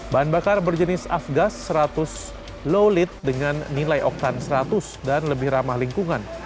bahan bakar berjenis afgas seratus low lid dengan nilai oktan seratus dan lebih ramah lingkungan